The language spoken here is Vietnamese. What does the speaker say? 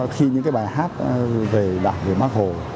khi những bài hát về đảng về bác hồ